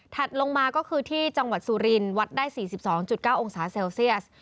ลงมาก็คือที่จังหวัดสุรินวัดได้๔๒๙องศาเซลเซียส